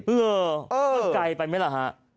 เฮ่อไปไกลไปมั้ยล่ะฮะ